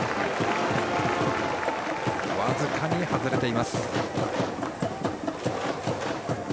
僅かに外れています。